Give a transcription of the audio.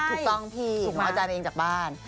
ถูกต้องพี่หนูเอาใจไปเองจากบ้าน